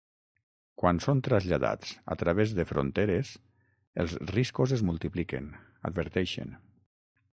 “Quan són traslladats a través de fronteres, els riscos es multipliquen”, adverteixen.